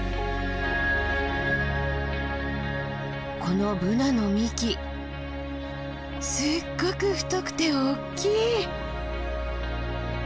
このブナの幹すごく太くて大きい！